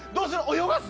泳がす？